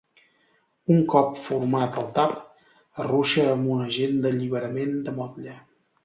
Un cop format el tap, es ruixa amb un agent d'alliberament de motlle.